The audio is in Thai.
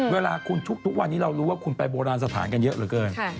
เวลาคุณทุกวันนี้เรารู้ว่าคุณไปโบราณสถานกันเยอะเหลือเกิน